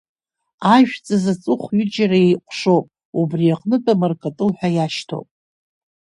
Ажәҵыс аҵыхә ҩыџьара еиҟәшоуп, убри аҟнытә амаркатәыл ҳәа иашьҭоуп.